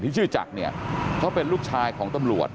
ชื่อจักรเนี่ยเขาเป็นลูกชายของตำรวจ